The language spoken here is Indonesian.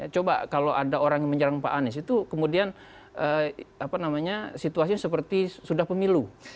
coba kalau ada orang yang menyerang pak anies itu kemudian situasinya seperti sudah pemilu